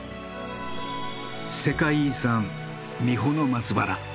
世界遺産三保松原。